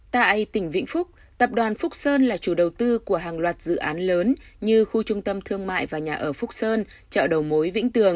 tại tỉnh vĩnh phúc tập đoàn phúc sơn là chủ đầu tư của hàng loạt dự án lớn như khu trung tâm thương mại và nhà ở phúc sơn chợ đầu mối vĩnh tường